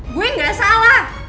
gue ga salah